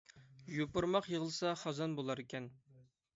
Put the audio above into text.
يۇپۇرماق يىغلىسا خازان بۇلار كەن